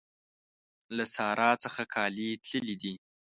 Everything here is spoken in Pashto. له سارا څخه کالي تللي دي.